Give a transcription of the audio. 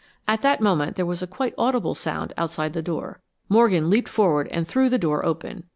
At that moment there was a quite audible sound outside the door. Morgan leaped forward and threw the door open.